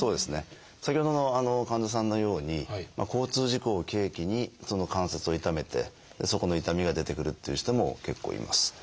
先ほどの患者さんのように交通事故を契機にその関節を痛めてそこの痛みが出てくるっていう人も結構います。